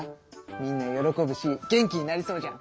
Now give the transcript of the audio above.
みんな喜ぶし元気になりそうじゃん！